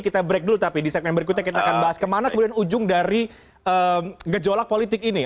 kita break dulu tapi di segmen berikutnya kita akan bahas kemana kemudian ujung dari gejolak politik ini